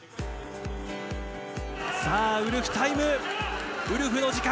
さあ、ウルフタイム、ウルフの時間。